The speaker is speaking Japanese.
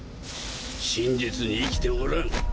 真実に生きておらん。